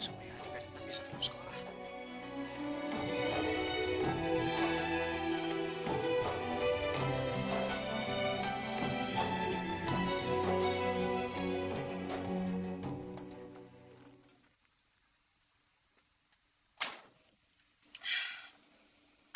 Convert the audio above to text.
supaya adik adiknya bisa tetap sekolah